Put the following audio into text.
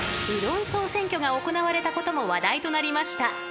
うどん総選挙が行われたことも話題となりました］